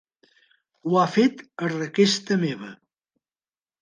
Ho ha fet a requesta meva.